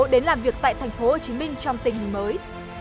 đến làm việc tại tp hcm trong tình hình mới